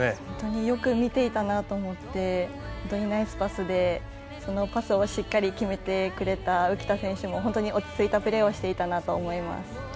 本当によく見ていたなと思ってナイスパスでそのパスをしっかり決めてくれた浮田選手も落ち着いたプレーをしていたなと思います。